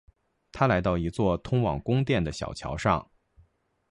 他来到一座通往宫殿的小桥上。